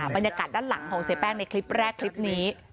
บรรยากาศด้านหลังของเสียแป้งในคลิปแรกคลิปนี้